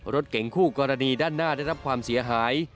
รถเก่งคู่กรณีด้านหน้าได้รับความเสียหาย